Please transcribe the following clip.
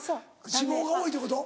脂肪が多い」ってこと？